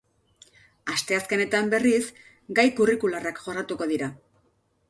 Asteazkenetan, berriz, gai kurrikularrak jorratuko dira.